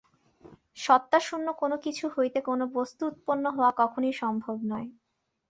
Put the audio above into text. সত্তাশূন্য কোন কিছু হইতে কোন বস্তু উৎপন্ন হওয়া কখনই সম্ভব নয়।